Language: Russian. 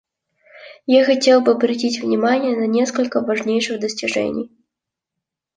Я хотел бы обратить внимание на несколько важнейших достижений.